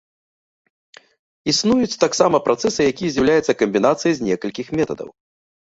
Існуюць таксама працэсы, якія з'яўляюцца камбінацыямі з некалькіх метадаў.